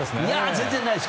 全然ないです。